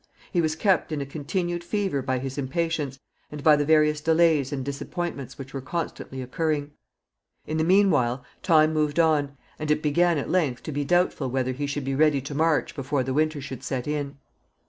He was kept in a continued fever by his impatience, and by the various delays and disappointments which were constantly occurring. In the mean while, time moved on, and it began at length to be doubtful whether he should be ready to march before the winter should set in.